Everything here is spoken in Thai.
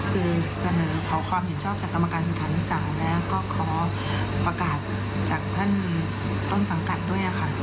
คือเสนอขอความเห็นชอบจากกรรมการสถานศึกษาแล้วก็ขอประกาศจากท่านต้นสังกัดด้วยค่ะ